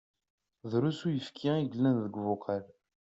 Drusn uyefki i yellan deg ubuqal..